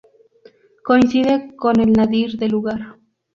Coincide con el nadir del lugar.